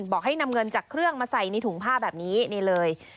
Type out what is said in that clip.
ให้นำเงินจากเครื่องมาใส่ในถุงผ้าแบบนี้นี่เลย